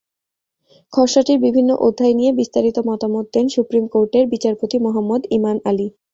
খসড়াটির বিভিন্ন অধ্যায় নিয়ে বিস্তারিত মতামত দেন সুপ্রিম কোর্টের বিচারপতি মোহাম্মদ ইমান আলী।